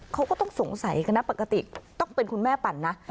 เขาก็ต้องสงสัยกันนะปกติต้องเป็นคุณแม่ปั่นนะ